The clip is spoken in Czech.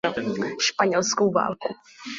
Španělskou válku.